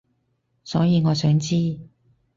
所以我想知